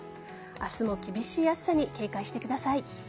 明日も厳しい暑さに警戒してください。